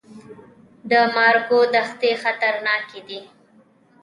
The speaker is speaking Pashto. د مارګو دښتې خطرناکې دي؟